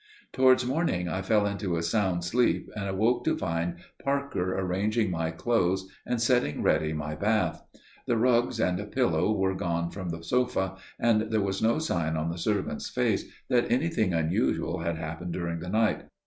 Towards morning I fell into a sound sleep, and awoke to find Parker arranging my clothes and setting ready my bath. The rugs and the pillow were gone from the sofa, and there was no sign on the servant's face that anything unusual had happened during the night.